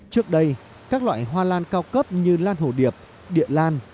trước đây các loại hoa lan cao cấp như lan hồ điệp địa lan